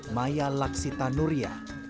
maya laksita nuria